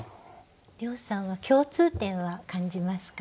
涼さんは共通点は感じますか？